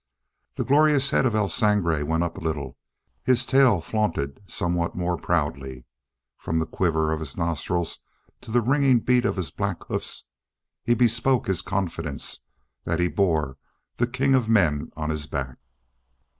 The glorious head of El Sangre went up a little, his tail flaunted somewhat more proudly; from the quiver of his nostrils to the ringing beat of his black hoofs he bespoke his confidence that he bore the king of men on his back.